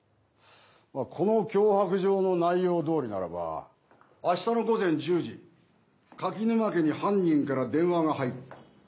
この脅迫状の内容どおりならば明日の午前１０時垣沼家に犯人から電話が入る。